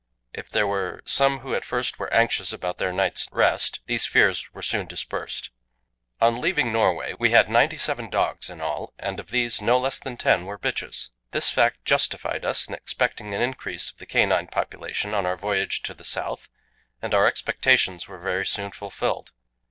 If there were some who at first were anxious about their night's rest, these fears were soon dispersed. On leaving Norway we had ninety seven dogs in all, and of these no less than ten were bitches. This fact justified us in expecting an increase of the canine population on our voyage to the South, and our expectations were very soon fulfilled.